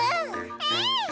ええ！